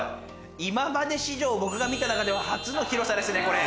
今まで史上僕が見た中では初の広さですねこれ。